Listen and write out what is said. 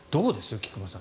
菊間さん